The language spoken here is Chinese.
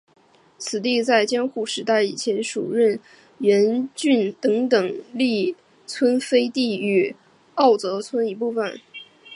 此地在江户时代以前属荏原郡等等力村飞地与奥泽村一部分。